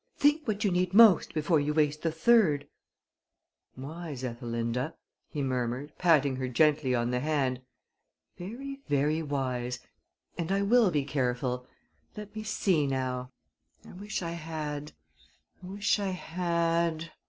Think what you need most before you waste the third." "Wise Ethelinda," he murmured, patting her gently on the hand. "Very, very wise, and I will be careful. Let me see now.... I wish I had ... I wish I had...."